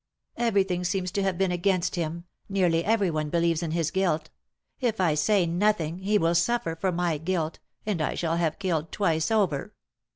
"Everything seems to have been against him; nearly everyone believes in his guilt ; if I say nothing he will suffer for my guilt, and I shall have killed twice over.